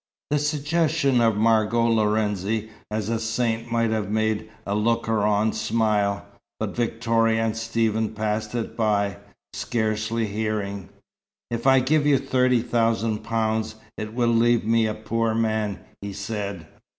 The suggestion of Margot Lorenzi as a saint might have made a looker on smile, but Victoria and Stephen passed it by, scarcely hearing. "If I give you thirty thousand pounds, it will leave me a poor man," he said.